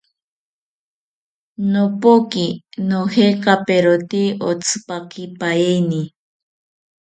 Nopoki nojekaperote otzipakipaeni